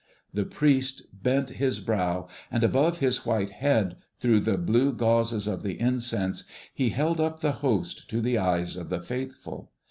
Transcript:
The priest bent his brow, and above his white head, through the blue gauzes of the incense, he held up the Host to the eyes of the faithful.